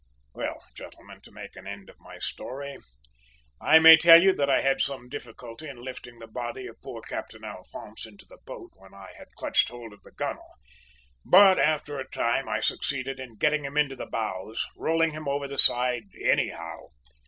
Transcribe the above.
"Well, gentlemen, to make an end of my story, I may tell you that I had some difficulty in lifting the body of poor Captain Alphonse into the boat when I had clutched hold of the gunwale; but after a time I succeeded in getting him into the bows, rolling him over the side anyhow.